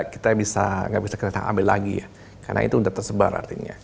karena data itu sudah tersebar